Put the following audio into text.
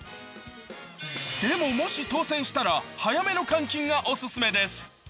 でも、もし当選したら早めの換金がお勧めです。